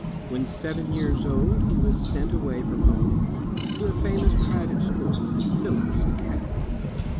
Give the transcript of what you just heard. When seven years old he was sent away from home, to a famous pri vate school, Phillips Academy.